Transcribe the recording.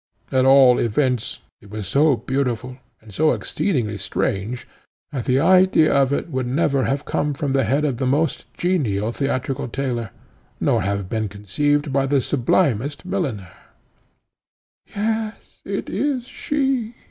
At all events it was so beautiful, and so exceedingly strange, that the idea of it could never have come from the head of the most genial theatrical tailor, nor have been conceived by the sublimest milliner. "Yes, it is she!